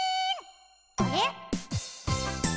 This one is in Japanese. あれ？